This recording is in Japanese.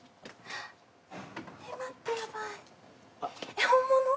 えっ本物？